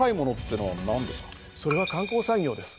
それは観光産業です。